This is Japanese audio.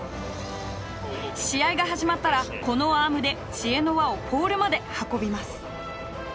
試合が始まったらこのアームで知恵の輪をポールまで運びます。